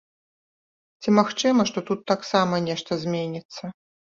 Ці магчыма, што тут таксама нешта зменіцца?